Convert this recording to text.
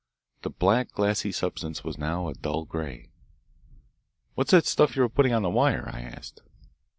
The black glassy substance was now a dull grey. "What's that stuff you were putting on the wire?" I asked.